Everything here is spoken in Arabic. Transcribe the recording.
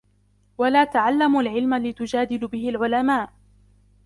وَلَا تَعَلَّمُوا الْعِلْمَ لِتُجَادِلُوا بِهِ الْعُلَمَاءَ